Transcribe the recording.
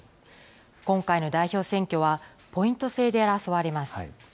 今回の代表選挙はポイント制で争われます。